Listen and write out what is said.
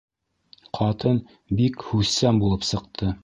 Ҡатын бик һүҙсән булып сыҡты.